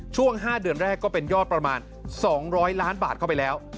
ช่วง๕เดือนแรกก็เป็นยอดประมาณ๒๐๐ล้านบาทเข้าไปแล้ว